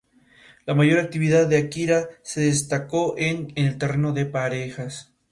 Estas dimensiones son donde se almacenan todos los datos.